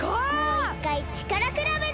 もういっかいちからくらべだ！